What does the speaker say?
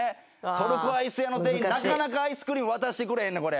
トルコアイス屋の店員なかなかアイスクリーム渡してくれへんねんこれ。